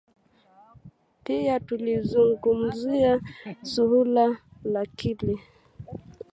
Pia tulizungumzia suala la kile